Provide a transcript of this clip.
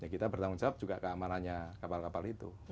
kita bertanggung jawab juga keamanannya kapal kapal itu